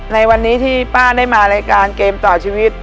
ในวันนี้ที่ป้าได้มารายการเกมต่อชีวิต